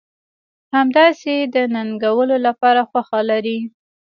همداسې د ننګولو لپاره خوښه لرئ.